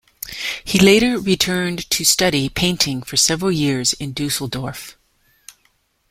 He later returned to study painting for several years in Düsseldorf.